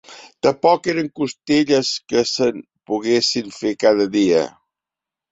Tampoc eren costelles que se'n poguessin fer cada dia